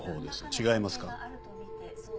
違いますか？